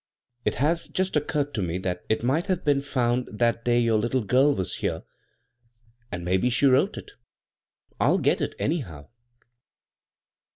It has just occurred to me that it might have been found that day your litde gill was here, and maybe she wrote it I'll get it, anyhow."